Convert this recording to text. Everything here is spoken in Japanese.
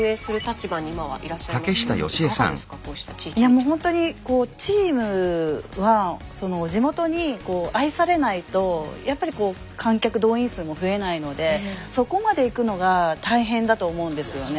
もうほんとにチームは地元に愛されないとやっぱり観客動員数も増えないのでそこまでいくのが大変だと思うんですよね。